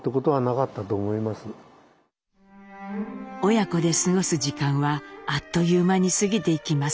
親子で過ごす時間はあっという間に過ぎていきます。